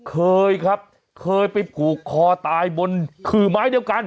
เคยครับเคยไปผูกคอตายบนขื่อไม้เดียวกัน